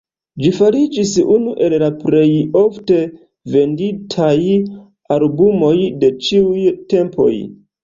Ĝi fariĝis unu el la plej ofte venditaj albumoj de ĉiuj tempoj.